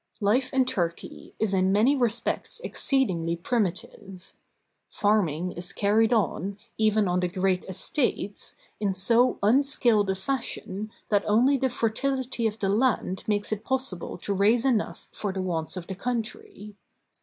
Life in Turkey is in many respects exceedingly primitive. Farming is carried on, even on the great estates, in so un skilled a fashion that only the fertility of the land makes it possible to raise enough for the wants of the country.